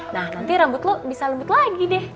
nah nanti rambut lo bisa lembut lagi deh